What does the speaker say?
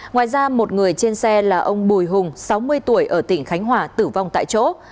ngoài ra một người trên xe là ông bùi hùng sáu mươi tuổi ở tỉnh khánh hòa tử vong tại chỗ